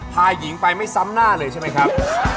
พาหญิงไปไม่ซ้ำหน้าเลยใช่ไหมครับ